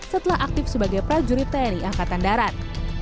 setelah aktif sebagai prajurit tni angkatan darat